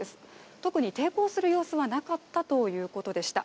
特に抵抗する様子はなかったということでした